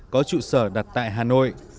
có trụ sở đặt tại hà nội